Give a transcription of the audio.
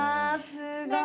すごい！